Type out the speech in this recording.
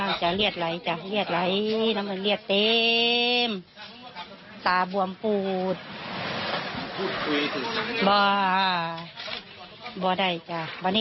เอาพันหาใครที่สั่งนั่งค้นจะตายหรือไม่ที่สามารถ